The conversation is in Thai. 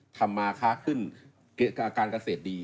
ทำมาค้าขึ้นการเกษตรดี